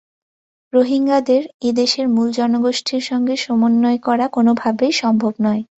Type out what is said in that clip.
রোহিঙ্গাদের এ দেশের মূল জনগোষ্ঠীর সঙ্গে সমন্বয় করা কোনোভাবেই সম্ভব নয়।